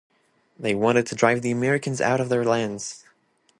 They wanted to drive the Americans out of their lands.